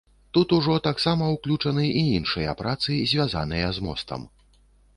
Тут ужо таксама ўключаны і іншыя працы, звязаныя з мостам.